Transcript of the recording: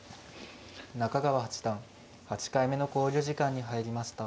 中川八段８回目の考慮時間に入りました。